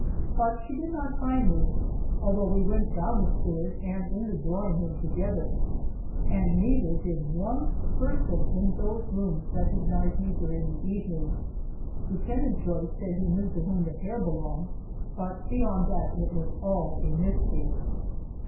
But she did not find me, although we went down the stairs and in the drawing room together, and neither did one person in those rooms recognize me during the evening. Lieutenant Joyce said he knew to whom the hair belonged, but beyond that it was all a mystery.